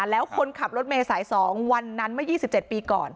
แล้วคนขับรถเมย์สาย๒วันนั้นเมื่อ๒๗ปีก่อน